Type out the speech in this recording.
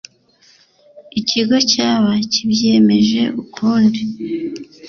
ikigo cyaba kibyemeje ukundi